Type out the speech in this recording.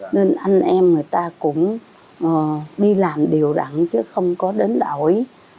nên anh em người ta cũng đi làm điều đẳng chứ không có đến đổi